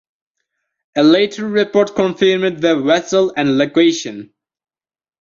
A later report confirmed the vessel and location.